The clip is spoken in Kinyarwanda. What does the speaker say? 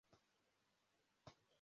Isinzi rinini ry'abarebera hamwe